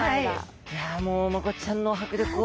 いやもうマゴチちゃんの迫力を。